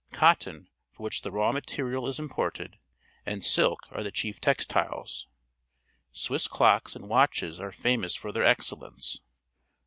Cotton, for which the raw material is imported, and silk are the chief textiles. Swiss clocks and watches are famous for their excellence.